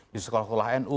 di sekolah sekolah nu